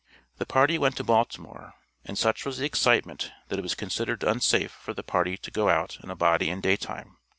The party went to Baltimore, and such was the excitement that it was considered unsafe for the party to go out in a body in day time.